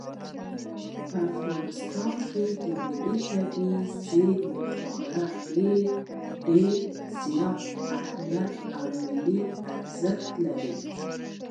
په افغانستان کې طبیعي زیرمې خورا ډېر زیات اهمیت او ملي ارزښت لري.